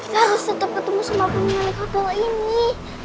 kita harus tetep ketemu sama pemilik hotel ini